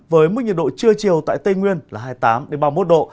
với mức nhiệt độ trưa chiều tại tây nguyên là hai mươi tám ba mươi một độ